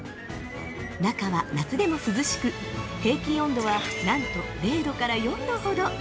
中は夏でも涼しく、平均温度はなんと０度から４度ほど。